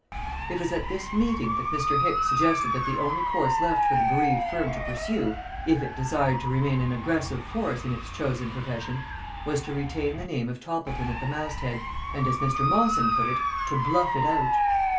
It was at this meeting that Mr. Hicks suggested that the only course left for the bereaved firm to pursue, if it desired to remain an aggressive force in its chosen profession, was to retain the name of Toppleton at the mast head, and, as Mr. Mawson put it, "to bluff it out."